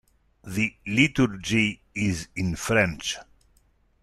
The liturgy is in French.